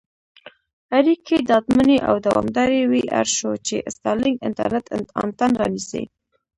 اړیکې ډاډمنې او دوامدارې وي اړ شو، چې سټارلېنک انټرنېټ انتن رانیسي.